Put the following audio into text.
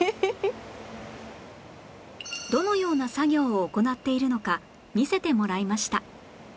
どのような作業を行っているのか見せてもらいました